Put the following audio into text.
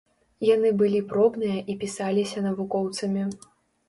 Яны былі пробныя і пісаліся навукоўцамі.